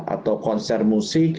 atau konser musik